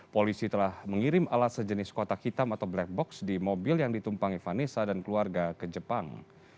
polisi telah mengirim alat sejenis kotak hitam atau black box di mobil yang ditumpangi vanessa dan keluarga ke jepang